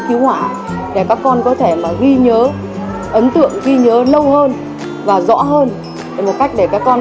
và các con sẽ thực hiện được cái bức tranh của mình